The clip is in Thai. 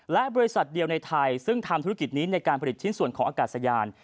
และบริษัทเดียวในไทยซึ่งทำธุรกิจนี้ในการผลิตชิ้นส่วนของอากาศยาน